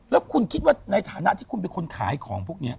แล้วคุณคิดว่าในฐานะที่คุณเป็นคนขายของพวกนี้